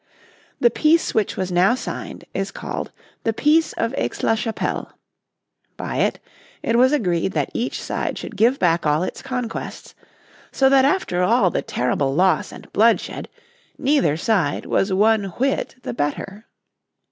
The peace which was now signed is called the Peace of Aix la Chapelle. By it, it was agreed that each side should give back all its conquests, so that after all the terrible loss and bloodshed neither side was one whit the better.